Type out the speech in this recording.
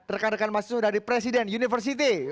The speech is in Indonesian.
rekan rekan mas sudah di presiden university